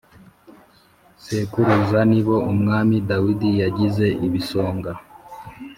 sekuruza Ni bo Umwami Dawidi yagize ibisonga